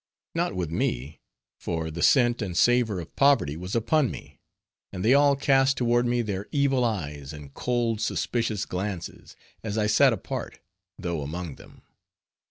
Not with me, for the scent and savor of poverty was upon me, and they all cast toward me their evil eyes and cold suspicious glances, as I sat apart, though among them.